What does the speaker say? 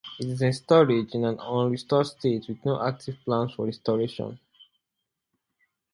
It is in storage in an un-restored state with no active plans for restoration.